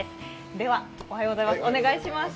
では、おはようございます。